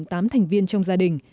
tám thành viên trung tâm